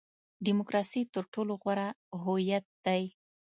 ډیموکراسي تر ټولو غوره هویت دی.